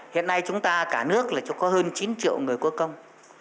hiện nay chúng ta cả nước là có hơn chín triệu người có công